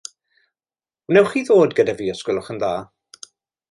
Wnewch chi ddod gyda fi os gwelwch yn dda.